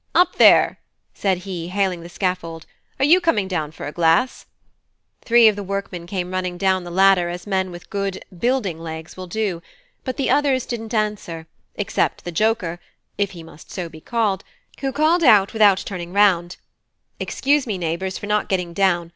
Up there!" said he, hailing the scaffold, "are you coming down for a glass?" Three of the workmen came running down the ladder as men with good "building legs" will do; but the others didn't answer, except the joker (if he must so be called), who called out without turning round: "Excuse me, neighbours for not getting down.